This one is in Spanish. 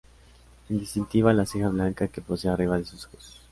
Es distintiva la ceja blanca que posee arriba de sus ojos.